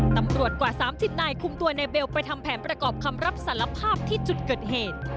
กว่า๓๐นายคุมตัวในเบลไปทำแผนประกอบคำรับสารภาพที่จุดเกิดเหตุ